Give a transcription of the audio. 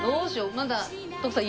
まだ徳さん